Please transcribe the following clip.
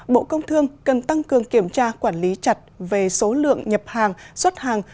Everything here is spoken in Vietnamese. bộ công thương cần tăng cường kiểm tra quản lý chặt về số lượng nhập hàng xuất hàng